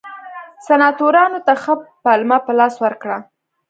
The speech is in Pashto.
سناتورانو ته ښه پلمه په لاس ورکړه.